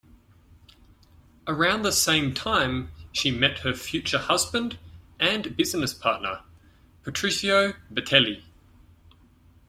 Around the same time she met her future husband and business partner, Patrizio Bertelli.